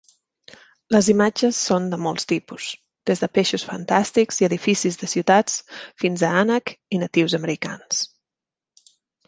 Les imatges són de molts tipus: des de peixos fantàstics i edificis de ciutats fins a ànec i natius americans.